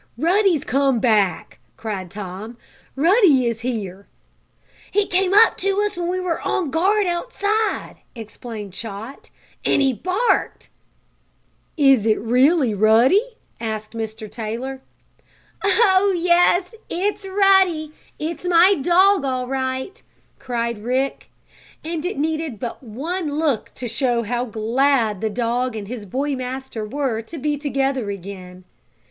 "Ruddy's come back!" cried Tom. "Ruddy is here!" "He came up to us when we were on guard outside," explained Chot. "And he barked!" "Is it really Ruddy?" asked Mr. Taylor. "Oh, yes, it's Ruddy! It's my dog all right!" cried Rick. And it needed but one look to show how glad the dog and his boy master were to be together again.